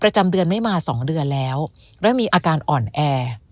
ประจำเดือนไม่มา๒เดือนแล้วแล้วมีอาการอ่อนแอ